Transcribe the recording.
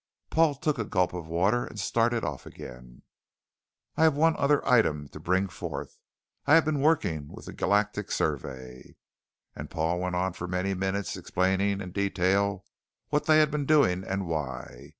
Paul took a gulp of water and started off again: "I have one other item to bring forth. I have been working with the galactic survey " and Paul went on for many minutes, explaining in detail what they had been doing and why.